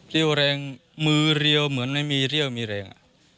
เรี่ยวแรงมือเรียวเหมือนไม่มีเรี่ยวมีแรง